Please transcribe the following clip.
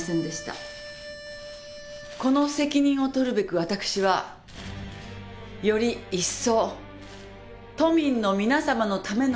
この責任を取るべく私はより一層都民の皆様のための都政にする事を。